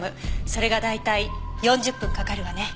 それが大体４０分かかるわね。